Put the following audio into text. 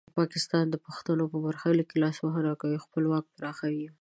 پاکستان د پښتنو په برخلیک کې لاسوهنه کوي او خپل واک پراخوي.